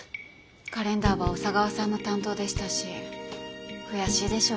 カレンダーは小佐川さんの担当でしたし悔しいでしょうね。